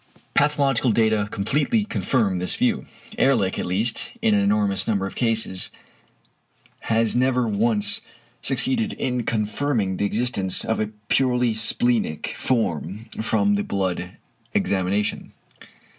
Pathological data completely confirm this view. Ehrlich at least, in an enormous number of cases, has never once succeeded in confirming the existence of a purely splenic form from the blood examination.